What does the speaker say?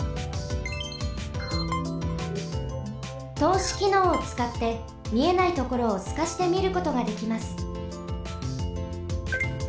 とうしきのうをつかってみえないところをすかしてみることができます。